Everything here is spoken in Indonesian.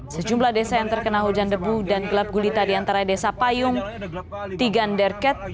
sejumlah desa yang terkena hujan debu dan gelap gulita di antara desa payung tiganderket